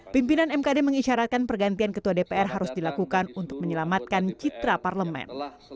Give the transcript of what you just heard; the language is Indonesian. pimpinan mkd mengisyaratkan pergantian ketua dpr harus dilakukan untuk menyelamatkan citra parlemen